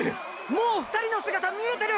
もう２人の姿見えてる！！